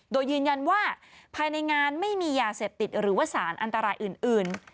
โดยยืนยันว่าภายในงานไม่มียาเสพติดหรือว่าสารอันตรายอื่น